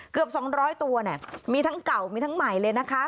เกือบ๒๐๐ตัวเนี่ยมีทั้งเก่ามีทั้งใหม่เลยนะคะ